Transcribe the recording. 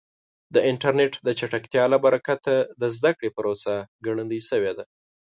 د انټرنیټ د چټکتیا له برکته د زده کړې پروسه ګړندۍ شوې ده.